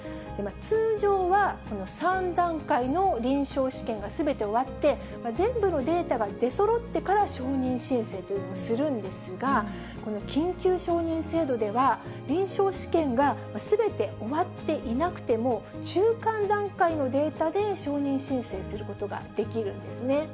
通常は、３段階の臨床試験がすべて終わって、全部のデータが出そろってから承認申請というのをするんですが、この緊急承認制度では、臨床試験がすべて終わっていなくても、中間段階のデータで承認申請することができるんですね。